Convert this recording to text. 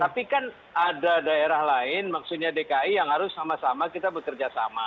tapi kan ada daerah lain maksudnya dki yang harus sama sama kita bekerja sama